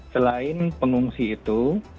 selain pengungsi itu